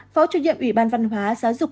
phó chủ nhiệm ủy ban văn hóa giáo dục